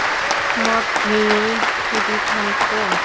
মদ খেয়েই যদি থামত।